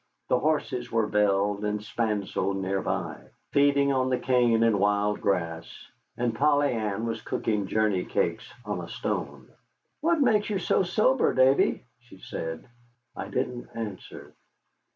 The horses were belled and spancelled near by, feeding on the cane and wild grass, and Polly Ann was cooking journey cakes on a stone. "What makes you so sober, Davy?" she said. I didn't answer.